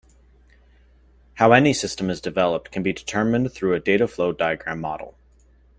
How any system is developed can be determined through a data flow diagram model.